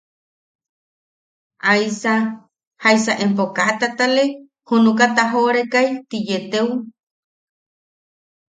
¿Aise, jaisa empo kaa tatale junuka tajoʼoreka ti yeeteu!